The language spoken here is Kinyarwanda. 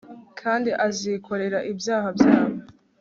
kandi azikorera ibyaha byabo